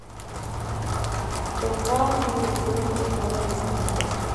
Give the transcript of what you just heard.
خو کار ته یې ګورې د قبر له منځه.